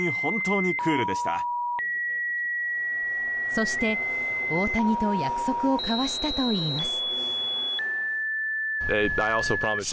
そして大谷と約束を交わしたといいます。